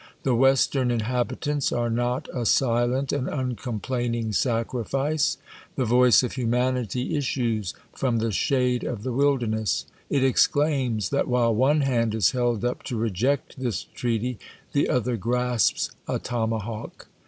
The Western inhabitants are not a silent and un complaining sacrifice. The voice of hunjanity issues from the shade of the wilderness. It exclaims, that while one hand is held up to reject this treaty, the other grasps a tomahawk.